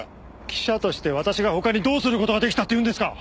記者として私が他にどうする事が出来たっていうんですか？